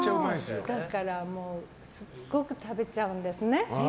だからすごく食べちゃうんですね。